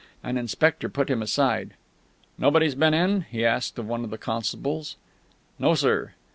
An inspector put him aside. "Nobody's been in?" he asked of one of the constables. "No, sir."